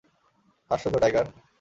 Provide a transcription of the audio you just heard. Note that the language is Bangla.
আশ্চর্য, টাইগার!